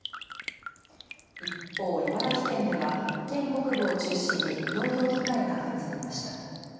一方、茨城県では県北部を中心に農業被害が相次ぎました。